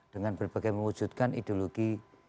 dengan berbagai mewujudkan ideologi